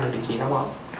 được điều trị thói quen